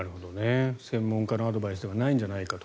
専門家のアドバイスではないんじゃないかと。